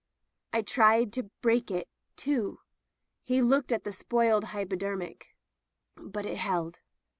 I tried to break it, too —" he looked at the spoiled hypodermic — "but it held."